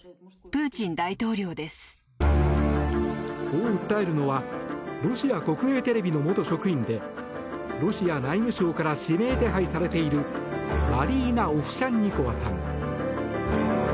こう訴えるのはロシア国営テレビの元職員でロシア内務省から指名手配されているマリーナ・オフシャンニコワさん。